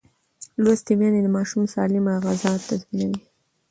لوستې میندې د ماشوم سالمه غذا تضمینوي.